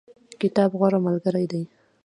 کتاب غوره ملګری دی